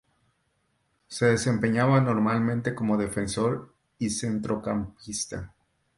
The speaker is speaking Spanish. Se desempeñaba normalmente como defensor y centrocampista.